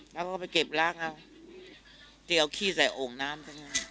โจมตีเก็บรากแล้วก็จิ่งเอาขี้ใส่โหงน้ำ